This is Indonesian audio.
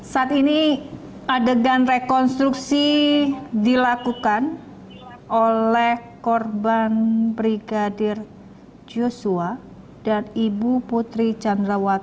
saat ini adegan rekonstruksi dilakukan oleh korban brigadir joshua dan ibu putri candrawati